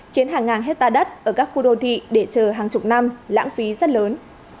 khiến hàng ngàn hectare đất ở các khu đô thị để chờ hàng chục năm lãng phí rất lớn